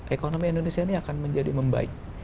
ekonomi indonesia ini akan menjadi membaik